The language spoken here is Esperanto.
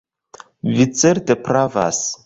Vi certe pravas!